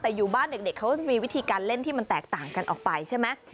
แต่อยู่บ้านเด็กเขามีวิธีการเล่นที่มันแตกต่างกันออกไปใช่ไหม